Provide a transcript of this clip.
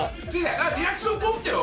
リアクション撮ってよ！